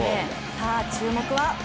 さあ、注目は。